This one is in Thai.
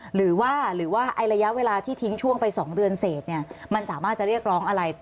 หรือว่าระยะเวลาที่ทิ้งช่วงไปสองเดือนเศสเนี่ยมันสามารถจะเรียกร้องอะไร